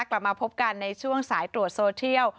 กลับมาพบกันในช่วงสายตรวจโซเทียล